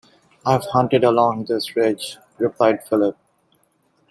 I have hunted along this ridge, replied Philip.